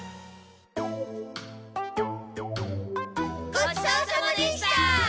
ごちそうさまでした！